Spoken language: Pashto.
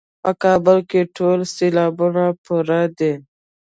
په بل کې ټول سېلابونه پوره دي.